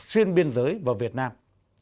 xuyên biên giới vào việt nam